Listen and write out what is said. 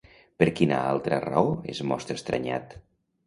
Per quina altra raó es mostra estranyat?